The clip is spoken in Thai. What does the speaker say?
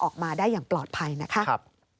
ออกมาได้อย่างปลอดภัยนะคะ